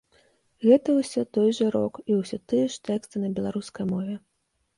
Гэта ўсё той жа рок і усё тыя ж тэксты на беларускай мове.